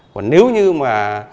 còn nếu như mà